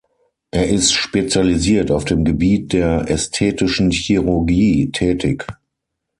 Er ist spezialisiert auf dem Gebiet der ästhetischen Chirurgie tätig.